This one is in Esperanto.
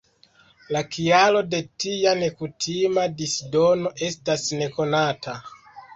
La kialo de tia nekutima disdono estas nekonata.